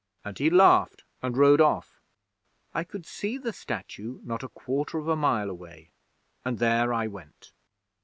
and he laughed and rode off. I could see the statue not a quarter of a mile away, and there I went.